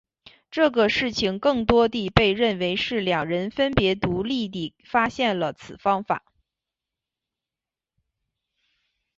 这个事情更多地被认为是两人分别独立地发现了此方法。